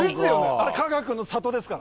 あれかがくの里ですから！